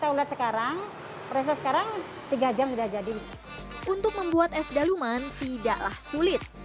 untuk membuat es daluman tidaklah sulit